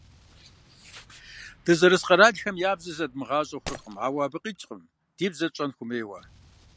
Дызэрыс къэралхэм я бзэр зэдмыгъащӏэу хъуркъым, ауэ абы къикӏкъым ди бзэр тщӏэн хуэмейуэ.